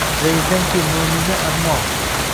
Zaifang-ku moʼmina, ammo